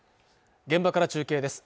現場から中継です